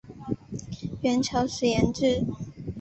元朝时沿置。